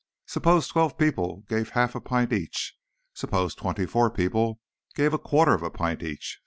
Suppose twelve people gave half a pint each. Suppose twenty four people gave a quarter of a pint each.